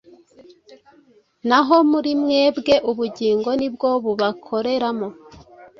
naho muri mwebwe ubugingo ni bwo bubakoreramo.